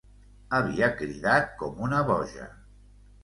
Havia cridat com una boja.